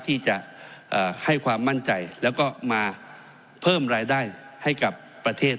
ที่จะให้ความมั่นใจแล้วก็มาเพิ่มรายได้ให้กับประเทศ